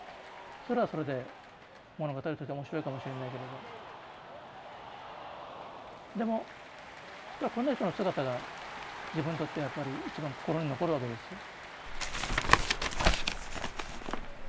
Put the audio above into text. それはそれで物語として面白いかもしれないけれどでもこんな人の姿が自分にとってはやっぱり一番心に残るわけですよ。